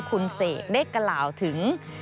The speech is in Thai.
คุณเสกได้กล่าวถึง